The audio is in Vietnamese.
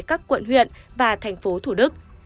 các quận huyện và thành phố thủ đức